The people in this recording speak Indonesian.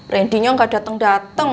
randinya nggak dateng dateng